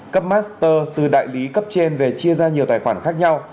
cấp master từ đại lý cấp trên về chia ra nhiều tài khoản khác nhau